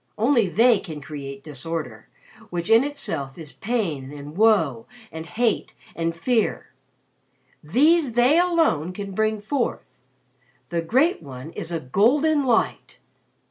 Only they can create Disorder, which in itself is Pain and Woe and Hate and Fear. These they alone can bring forth. The Great One is a Golden Light.